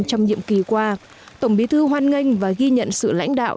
trong nhiệm kỳ qua tổng bí thư hoan nghênh và ghi nhận sự lãnh đạo